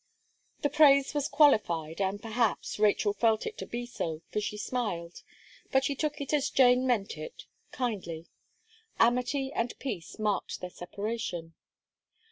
The praise was qualified, and, perhaps, Rachel felt it to be so, for she smiled; but she took it as Jane meant it kindly. Amity and peace marked their separation.